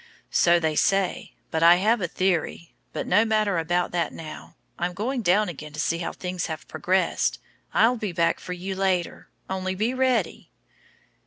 "So they say; but I have a theory but no matter about that now. I'm going down again to see how things have progressed. I'll be back for you later. Only be ready."